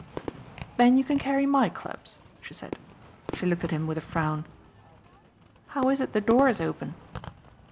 "Then you can carry my clubs," she said. She looked at him with a frown. "How is it the door is open?"